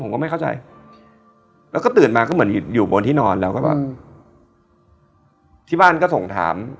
ผมก็ไม่เข้าใจแล้วก็ตื่นมาก็เหมือนอยู่บนที่นอนแล้วก็แบบที่บ้านก็ส่งถาม